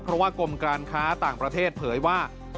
เพราะว่ากรมการค้าต่างประเทศเผยว่า